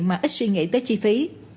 mà ít suy nghĩ tới chi phí